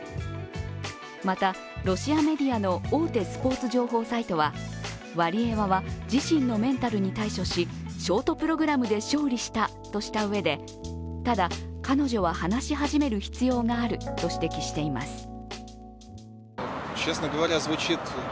また、ロシアメディアの大手スポーツ情報サイトはワリエワは自身のメンタルに対処しショートプログラムで勝利したとしたうえでただ、彼女は話し始める必要があると指摘しています。